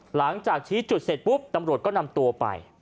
หลังจากชี้จุดเสร็จปุ๊บตำรวจก็นำตัวไป